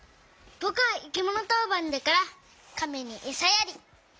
ぼくはいきものとうばんだからかめにえさやり！